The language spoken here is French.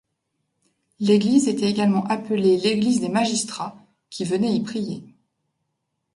L'église était également appelée l'église des Magistrats qui venaient y prier.